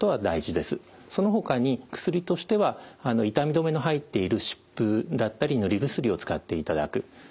そのほかに薬としては痛み止めの入っている湿布だったり塗り薬を使っていただく。